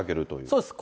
そうです。